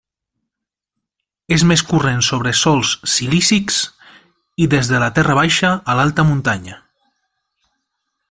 És més corrent sobre sòls silícics, i des de la terra baixa a l'alta muntanya.